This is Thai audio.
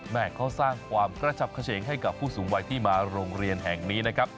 เขาสร้างความกระฉับเฉงให้กับผู้สูงวัยที่มาโรงเรียนแห่งนี้นะครับ